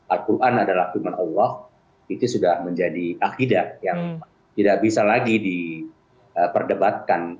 al quran adalah firman allah itu sudah menjadi akidah yang tidak bisa lagi diperdebatkan